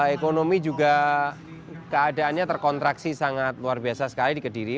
ekonomi juga keadaannya terkontraksi sangat luar biasa sekali di kediri